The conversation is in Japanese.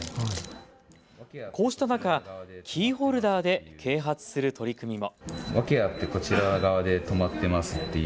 こうした中、キーホルダーで啓発する取り組みも。